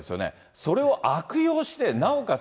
それを悪用して、なおかつ